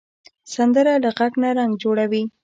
سندره له غږ نه رنګ جوړوي